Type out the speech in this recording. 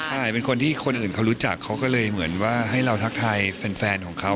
ใช่เป็นคนที่คนอื่นเขารู้จักเขาก็เลยเหมือนว่าให้เราทักทายแฟนของเขา